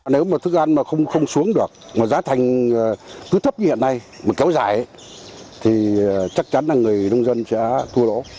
nếu mà thức ăn mà không xuống được mà giá thành cứ thấp như hiện nay mà kéo dài thì chắc chắn là người nông dân sẽ thua lỗ